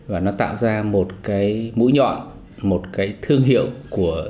và nó tạo ra một cái mũi nhọn một cái thương hiệu của